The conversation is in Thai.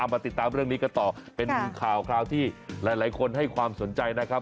มาติดตามเรื่องนี้กันต่อเป็นข่าวที่หลายคนให้ความสนใจนะครับ